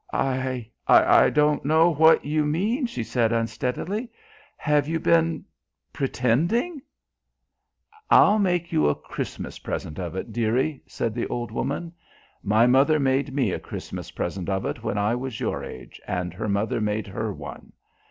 "I I don't know what you mean," she said, unsteadily. "Have you been pretending?" "I'll make you a Christmas present of it, dearie," said the old woman. "My mother made me a Christmas present of it when I was your age, and her mother made her one.